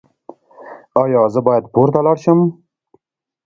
ایا زه باید پورته لاړ شم؟